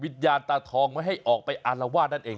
ญาณตาทองไม่ให้ออกไปอารวาสนั่นเอง